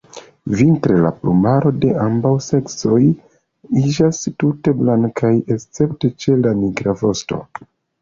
Vintre la plumaroj de ambaŭ seksoj iĝas tute blankaj, escepte ĉe la nigra vosto.